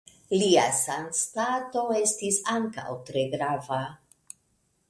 Lia sanstato estis ankaŭ tre grava.